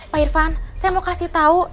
pak irfan saya mau kasih tahu